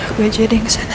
gue aja deh yang kesana